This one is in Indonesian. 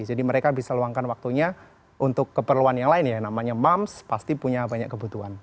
jadi mereka bisa luangkan waktunya untuk keperluan yang lain ya namanya mams pasti punya banyak kebutuhan